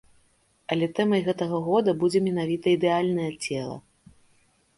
Але тэмай гэтага года будзе менавіта ідэальнае цела.